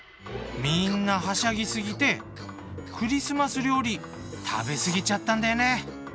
みんなはしゃぎ過ぎてクリスマス料理食べ過ぎちゃったんだよね。